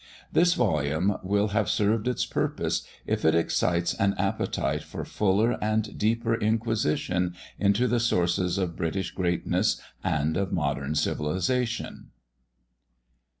This volume will have served its purpose, if it excites an appetite for fuller and deeper inquisition into the sources of British greatness and of modern civilisation.